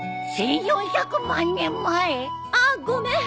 ああごめん。